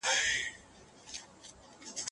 ایا مسواک وهل د مالدارۍ سبب کېدای شي؟